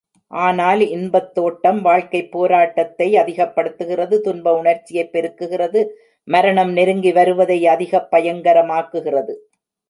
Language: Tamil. ஆனால், இன்பத் தேட்டம் வாழ்க்கைப் போராட்டத்தை அதிகப்படுத்துகிறது துன்ப உணர்ச்சியைப் பெருக்குகிறது மரணம் நெருங்கி வருவதை அதிகப் பயங்கரமாக்குகிறது.